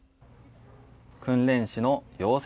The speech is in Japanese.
訓練士の養成